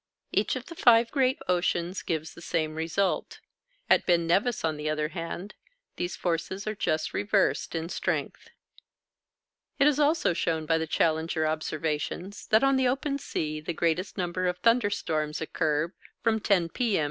Each of the five great oceans gives the same result. At Ben Nevis, on the other hand, these forces are just reversed in strength. It is also shown by the Challenger observations that on the open sea the greatest number of thunder storms occur from 10 P.M.